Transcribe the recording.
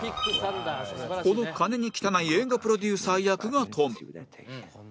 この金に汚い映画プロデューサー役がトム